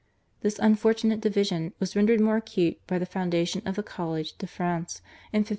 This unfortunate division was rendered more acute by the foundation of the College de France in 1529.